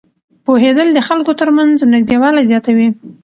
پوهېدل د خلکو ترمنځ نږدېوالی زیاتوي.